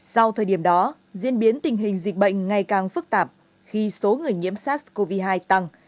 sau thời điểm đó diễn biến tình hình dịch bệnh ngày càng phức tạp khi số người nhiễm sars cov hai tăng